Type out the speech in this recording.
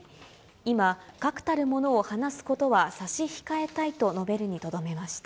今、確たるものを話すことは差し控えたいと述べるにとどめました。